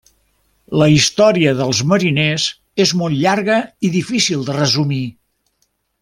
La història dels mariners és molt llarga i difícil de resumir.